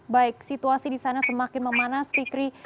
baik situasi di sana semakin memanas fikri